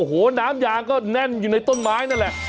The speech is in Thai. โอ้โหน้ำยางก็แน่นอยู่ในต้นไม้นั่นแหละ